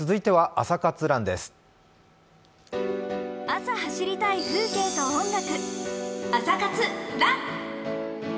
朝走りたい風景と音楽。